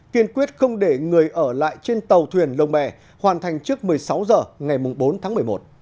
kiên quyết không để người ở lại trên tàu thuyền lồng bè hoàn thành trước một mươi sáu h ngày bốn tháng một mươi một